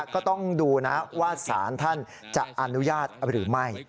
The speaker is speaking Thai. ก็ต้องดูนะว่าสารท่านจะอนุญาตหรือไม่